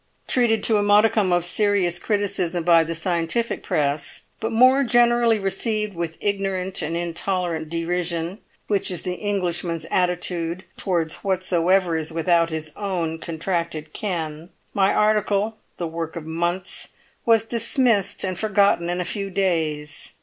Treated to a modicum of serious criticism by the scientific press, but more generally received with ignorant and intolerant derision, which is the Englishman's attitude towards whatsoever is without his own contracted ken, my article, the work of months, was dismissed and forgotten in a few days.